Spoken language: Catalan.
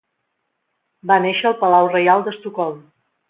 Va néixer al Palau Reial d'Estocolm.